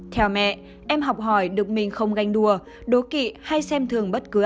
theo mẹ em học hỏi được mình không ganh đua đố kị hay xem thường bất cứ ai